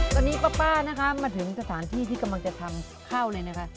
ตอนนี้ป้านะคะมาถึงสถานที่ที่กำลังจะทำข้าวเลยนะคะ